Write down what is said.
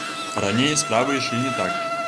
Раней справы ішлі не так.